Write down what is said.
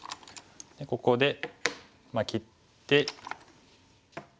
ここで切って。